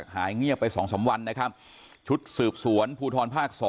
หายเงียบไป๒๓วันนะครับชุดสืบสวนภูทรภาค๒